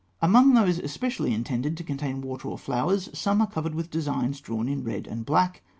Among those especially intended to contain water or flowers, some are covered with designs drawn in red and black (fig.